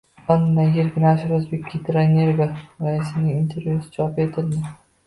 Londondagi yirik nashr “O‘zbekgidroenergo” raisining intervyusini chop etdi